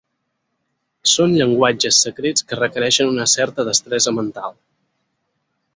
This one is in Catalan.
Són llenguatges secrets que requereixen una certa destresa mental.